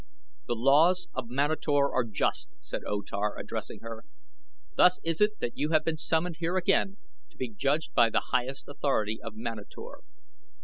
"The laws of Manator are just," said O Tar, addressing her; "thus is it that you have been summoned here again to be judged by the highest authority of Manator.